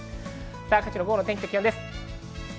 午後の天気と気温です。